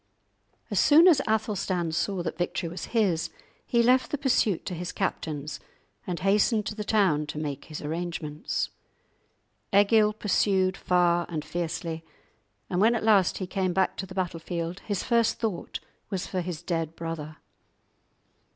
As soon as Athelstan saw that victory was his, he left the pursuit to his captains and hastened to the town to make his arrangements. Egil pursued far and fiercely, and when at last he came back to the battlefield his first thought was for his dead brother.